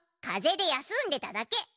かぜで休んでただけ。